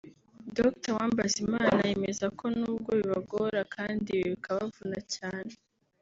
Dr Uwambazimana yemeza ko nubwo bibagora kandi bikabavuna cyane